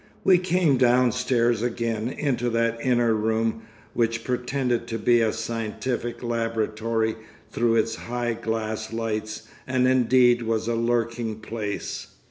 We came downstairs again into that inner room which pretended to be a scientific laboratory through its high glass lights, and indeed was a lurking place.